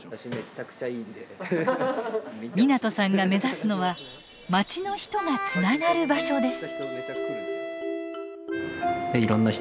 湊さんが目指すのはまちの人がつながる場所です。